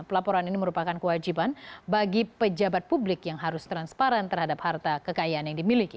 pelaporan ini merupakan kewajiban bagi pejabat publik yang harus transparan terhadap harta kekayaan yang dimiliki